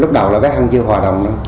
lúc đầu là bé hân chưa hòa đồng